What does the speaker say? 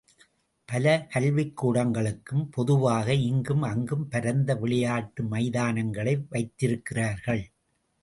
பல கல்விக்கூடங்களுக்கும் பொதுவாக, இங்கும் அங்கும், பரந்த விளையாட்டு மைதானங்களை வைத்திருக்கிறார்கள்.